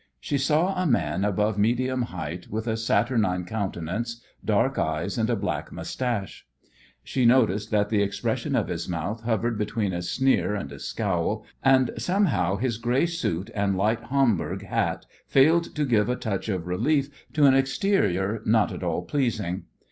She saw a man above medium height with a saturnine countenance, dark eyes and a black moustache. She noticed that the expression of his mouth hovered between a sneer and a scowl, and somehow his grey suit and light Homburg hat failed to give a touch of relief to an exterior not at all pleasing.